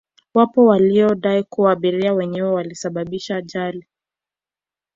wapo waliodai kuwa abiria wenyewe walisababisha ajali